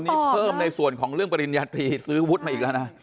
นี่เพิ่มในส่วนของเรื่องปริญญาตรีซื้อวุฒิมาอีกแล้วนะ